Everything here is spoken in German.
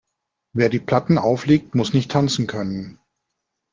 Wer die Platten auflegt, muss nicht tanzen können.